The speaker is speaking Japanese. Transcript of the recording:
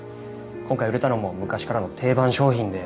今回売れたのも昔からの定番商品で。